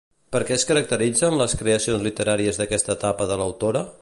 Per què es caracteritzen les creacions literàries d'aquesta etapa de l'autora?